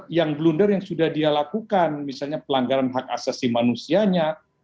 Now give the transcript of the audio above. yang blunder yang sudah dia lakukan misalnya pelanggaran hak asasi manusianya